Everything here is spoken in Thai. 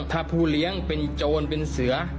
ถ้าผู้เลี้ยงเป็นโจรเป็นเสือ